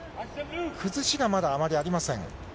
崩しがまだあまりありません。